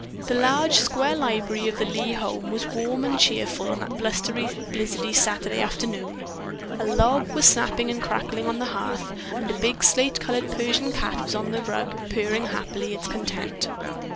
The large, square library of the Lee home was warm and cheerful on that blustery, blizzardy Saturday afternoon. A log was snapping and crackling on the hearth and a big slate colored Persian cat on the rug was purring loudly its content.